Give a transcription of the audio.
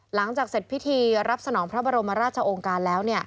หลังจากเสร็จพิธีรับสนองพระบรมราชองค์การแล้ว